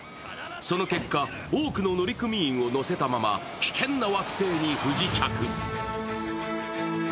その結果、多くの乗組員を乗せたまま危険な惑星に不時着。